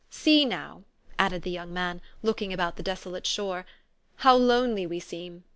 See now," added the young man, looking about the desolate shore, "how lonely we seem.